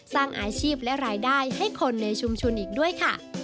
สร้างอาชีพและรายได้ให้คนในชุมชนอีกด้วยค่ะ